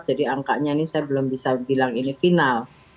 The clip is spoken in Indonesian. angkanya ini saya belum bisa bilang ini final